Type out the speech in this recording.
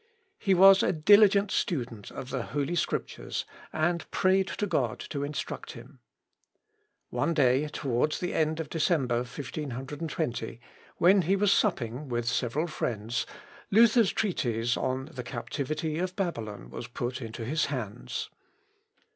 He was a diligent student of the Holy Scriptures, and prayed to God to instruct him. One day towards the end of December, 1520, when he was supping with several friends, Luther's treatise on the Captivity of Babylon was put into his hands.